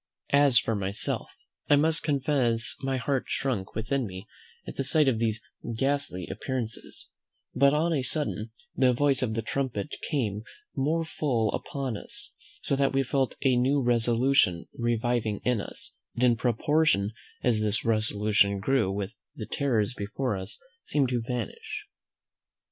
As for myself, I must confess my heart shrunk within me at the sight of these ghastly appearances; but, on a sudden, the voice of the trumpet came more full upon us, so that we felt a new resolution reviving in us, and in proportion as this resolution grew the terrors before us seemed to vanish.